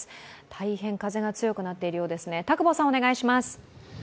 大変風が強くなっているようですね、田久保さんです。